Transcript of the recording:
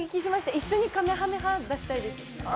一緒に、かめかめ波がしたいです。